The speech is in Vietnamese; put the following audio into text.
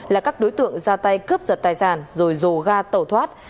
là các đối tượng ra tay cướp giật tài sản rồi dồ ga tẩu thoát